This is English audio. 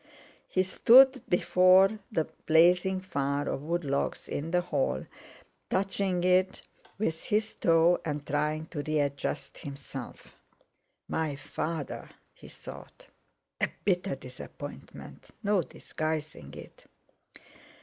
He stood before the blazing fire of wood logs in the hall, touching it with his toe and trying to readjust himself. "My father!" he thought. A bitter disappointment, no disguising it!